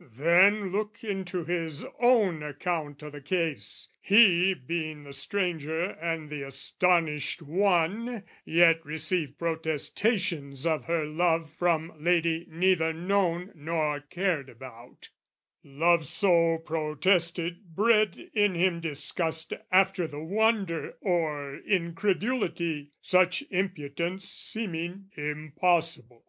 Then, look into his own account o' the case! He, being the stranger and the astonished one, Yet received protestations of her love From lady neither known nor cared about: Love, so protested, bred in him disgust After the wonder, or incredulity, Such impudence seeming impossible.